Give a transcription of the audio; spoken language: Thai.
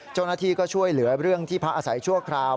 เจ้าหน้าที่ก็ช่วยเหลือเรื่องที่พักอาศัยชั่วคราว